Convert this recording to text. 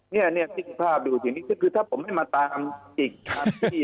เนี่ยเนี่ยที่ภาพดูทีนี้คือถ้าผมไม่มาตามอีกทางที่อย่างนี้นะ